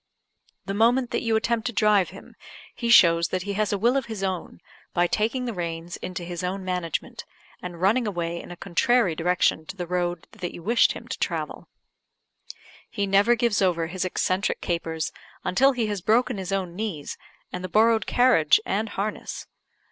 The moment that you attempt to drive him, he shows that he has a will of his own, by taking the reins into his own management, and running away in a contrary direction to the road that you wished him to travel. He never gives over his eccentric capers until he has broken his own knees, and the borrowed carriage and harness.